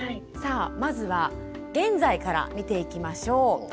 さあまずは現在から見ていきましょう。